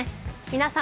皆さん